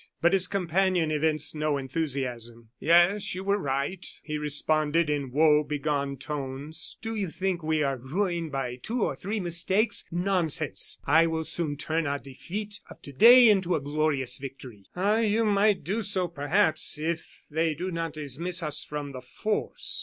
But his companion evinced no enthusiasm. "Yes, you were right," he responded, in woebegone tones. "Do you think we are ruined by two or three mistakes? Nonsense! I will soon turn our defeat of today into a glorious victory." "Ah! you might do so perhaps, if they do not dismiss us from the force."